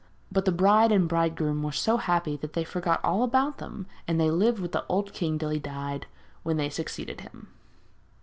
But the bride and bridegroom were so happy that they forgot all about them, and they lived with the old king till he died, when they succeeded him.